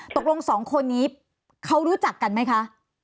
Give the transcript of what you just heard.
ตกลงสองคนนี้เขารู้จักกันไหมคะ